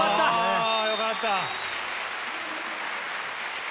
あよかった！